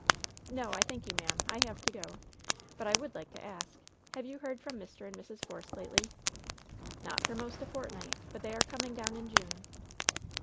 "No, I thank you, ma'am. I have to go. But I would like to ask : Have you heard from Mr. and Mrs. Force lately ?" '''Not for 'most a fortnight. But they are coming down in June."